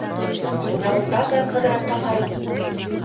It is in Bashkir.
Бына ул тағы, Ҡыҙырасҡа ҡарап: